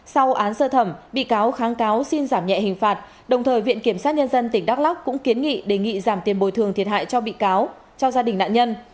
sau án sơ thẩm bị cáo kháng cáo xin giảm nhẹ hình phạt đồng thời viện kiểm sát nhân dân tỉnh đắk lắc cũng kiến nghị đề nghị giảm tiền bồi thường thiệt hại cho bị cáo cho gia đình nạn nhân